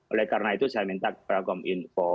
oleh karena itu saya minta ke program info